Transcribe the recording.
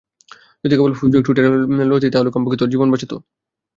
যদি কেবল ফেসবুক, টুইটারে লড়াই করতি তাহলে কমপক্ষে তোর জীবন বাঁচাতো।